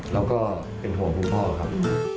แล้วก็เป็นห่วงคุณพ่อครับ